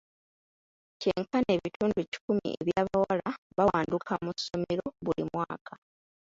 Kyenkana ebitundu kikumi eby'abawala bawanduka mu ssomero buli mwaka.